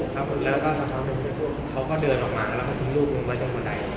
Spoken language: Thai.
ครับแล้วก็สักครั้งหนึ่งเขาเขาก็เดินออกมาแล้วก็คุ้มลูกมึงไปตรงบนใด